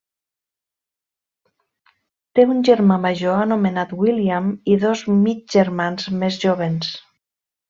Té un germà major anomenat William i dos mig germans més jóvens.